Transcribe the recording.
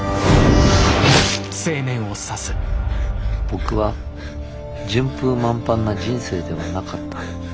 僕は順風満帆な人生ではなかった。